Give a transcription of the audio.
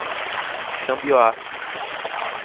Xambioá